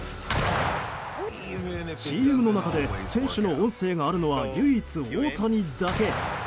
ＣＭの中で選手の音声があるのは唯一、大谷だけ。